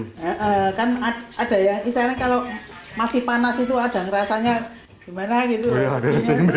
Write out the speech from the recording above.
ada yang misalnya kalau masih panas itu ada ngerasanya gimana gitu